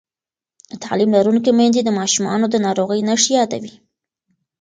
تعلیم لرونکې میندې د ماشومانو د ناروغۍ نښې یادوي.